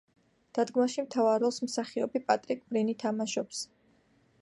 დადგმაში მთავარ როლს მსახიობი პატრიკ ბრინი თამაშობს.